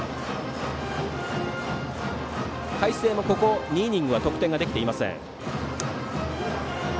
海星もここ２イニングは得点ができていません。